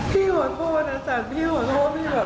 พี่ขอโทษนะจันพี่ขอโทษพี่แบบ